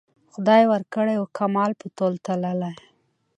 خدای ورکړی وو کمال په تول تللی